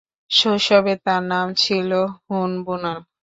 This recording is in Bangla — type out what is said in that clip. শৈশবে তার নাম ছিল ‘হুন বুনাল’।